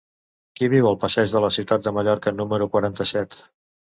Qui viu al passeig de la Ciutat de Mallorca número quaranta-set?